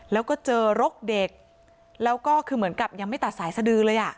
แล้วก็เจอรกเด็กแล้วก็คือเหมือนกับยังไม่ตัดสายสดือเลยอ่ะ